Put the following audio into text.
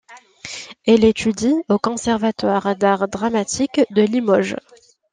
Elle étudie au conservatoire d'art dramatique de Limoges.